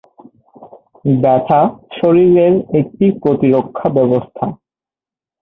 ব্যথা শরীরের একটা প্রতিরক্ষা ব্যবস্থা।